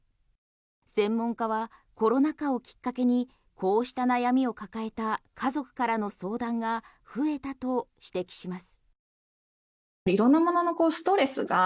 専門家はコロナ禍をきっかけにこうした悩みを抱えた家族からの相談が増えたと指摘します。